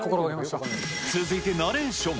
続いてナレーション。